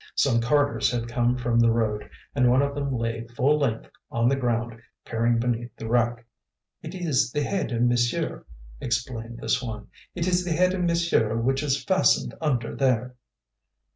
Some carters had come from the road and one of them lay full length on the ground peering beneath the wreck. "It is the head of monsieur," explained this one; "it is the head of monsieur which is fastened under there."